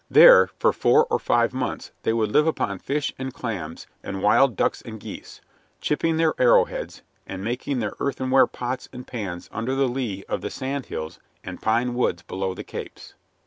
There for four or five months they would live upon fish and clams and wild ducks and geese, chipping their arrowheads, and making their earthenware pots and pans under the lee of the sand hills and pine woods below the Capes.